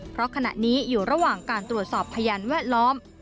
เพราะขณะนี้อยู่ระหว่างการตรวจสอบพยานแวดล้อม